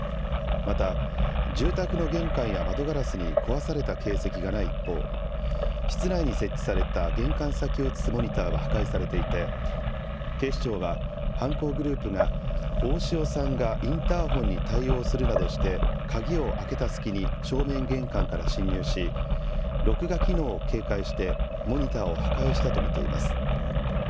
また、住宅の玄関や窓ガラスに壊された形跡がない一方、室内に設置された玄関先を映すモニターは破壊されていて、警視庁は、犯行グループが大塩さんがインターフォンに対応するなどして鍵を開けた隙に正面玄関から侵入し、録画機能を警戒してモニターを破壊したと見ています。